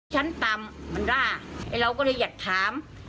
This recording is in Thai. ชั้นต่ำมันร่าเราก็เลยอยากถาม